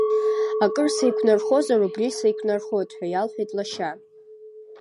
Акыр сеиқәнархозар, убри сеиқәнархоит, ҳәа иалҳәеит лашьа.